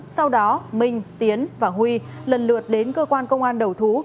sau đó minh tiến và huy lần lượt đến cơ quan công an đầu thú